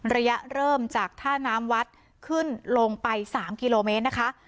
ระยะเริ่มจากท่าน้ำวัดขึ้นลงไป๓กิโลเมตรนะคะ